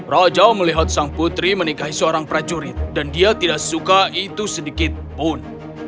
raja melihat sang putri menikahi seorang prajurit dan dia tidak suka itu sedikit pun